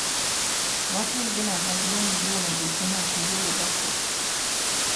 Latvijas Zinātņu akadēmijas bioloģijas zinātņu goda doktors.